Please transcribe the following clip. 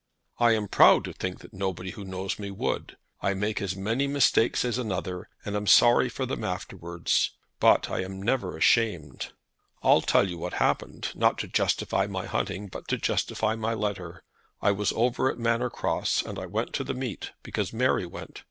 "I am proud to think that nobody who knows me would. I make as many mistakes as another, and am sorry for them afterwards. But I am never ashamed. I'll tell you what happened, not to justify my hunting, but to justify my letter. I was over at Manor Cross, and I went to the meet, because Mary went.